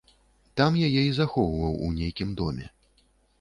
Там яе і захоўваў у нейкім доме.